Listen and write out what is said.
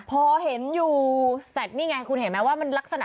พอเห็นอยู่เสร็จนี่ไงคุณเห็นไหมว่ามันลักษณะ